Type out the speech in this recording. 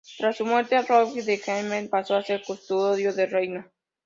Tras su muerte, Rhodri de Gwynedd pasó a ser custodio del reino.